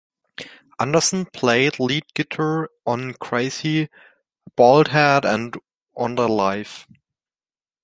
Anderson played lead guitar on "Crazy Baldhead" and on the "Live!